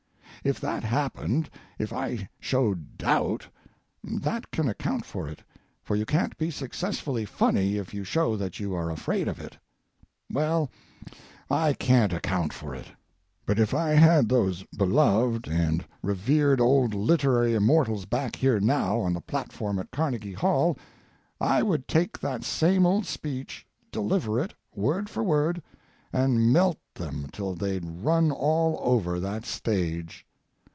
If that happened, if I showed doubt, that can account for it, for you can't be successfully funny if you show that you are afraid of it. Well, I can't account for it, but if I had those beloved and revered old literary immortals back here now on the platform at Carnegie Hall I would take that same old speech, deliver it, word for word, and melt them till they'd run all over that stage.